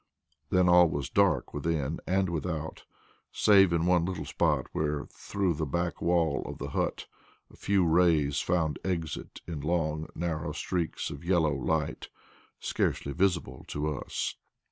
Then all was dark within and without, save in one little spot where, through the back wall of the hut, a few rays found exit in long, narrow streaks of yellow light, scarcely visible to us.